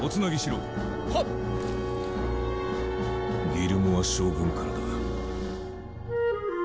ギルモア将軍からだ。